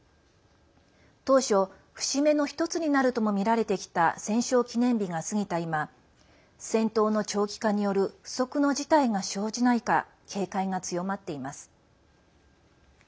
当初、節目の１つになるともみられてきた戦勝記念日が過ぎた今戦闘の長期化による不測の事態が生じないか警戒が強まっています。